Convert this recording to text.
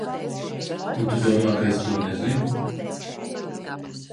Un tu domā, ka es to nezinu?